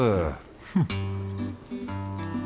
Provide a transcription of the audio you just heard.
フッ